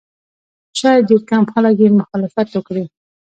شاید ډېر کم خلک یې مخالفت وکړي.